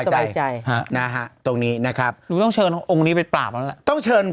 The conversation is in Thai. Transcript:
สบายใจฮะนะฮะตรงนี้นะครับหนูต้องเชิญองค์นี้ไปปราบแล้วล่ะต้องเชิญ